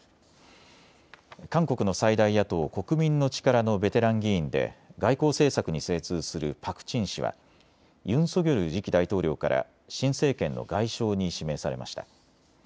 韓国の最大野党、国民の力のベテラン議員で外交政策に精通するパク・チン氏はユン・ソギョル次期大統領から新政権の外相に指名されました。